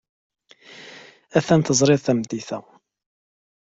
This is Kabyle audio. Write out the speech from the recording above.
Ad ten-tẓer tameddit-a.